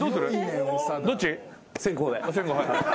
先攻で。